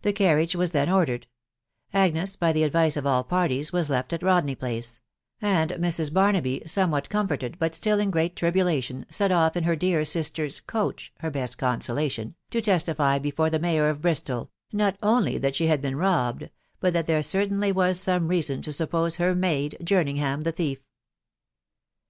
The carriage was then ordered : Agnes, by the advice of all parties, was left at Rodney Place ; and Mrs. Barnaby, some what comforted, but still in great tribulation, set off in her dear sister's coach (her best consolation) to testify before the mayor of Bristol, not only that she had been robbed, but that there certainly was some reason to suppose her maid Jerning ham the thief.